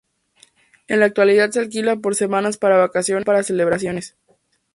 En la actualidad se alquila por semanas para vacaciones, o bien para celebraciones.